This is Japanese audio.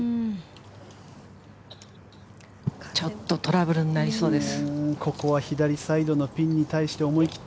ちょっとトラブルになりそうです。